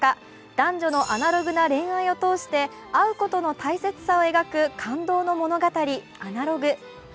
男女のアナログな恋愛を通して会うことの大切さを描く感動の物語「アナログ」。